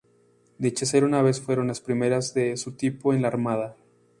Dichas aeronaves fueron las primeras de su tipo en la Armada.